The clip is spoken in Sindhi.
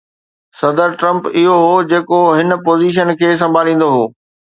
صدر ٽرمپ اهو هو جيڪو هن پوزيشن کي سنڀاليندو هو